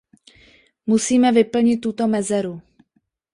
Musíme vyplnit tuto mezeru.